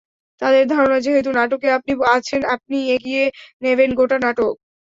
তাঁদের ধারণা, যেহেতু নাটকে আপনি আছেন, আপনিই এগিয়ে নেবেন গোটা নাটক।